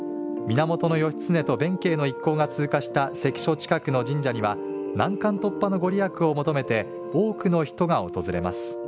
源義経と弁慶の一行が通過した関所近くの神社には難関突破の御利益を求めて多くの人が訪れます。